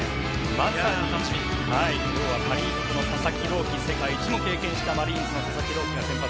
まずはパ・リーグの佐々木朗希、世界一も経験したマリーンズの佐々木朗希が先発。